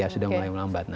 sudah mulai melambat